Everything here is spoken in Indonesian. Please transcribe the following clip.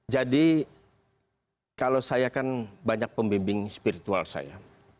kalau saya kan banyak pembimbing spiritual saya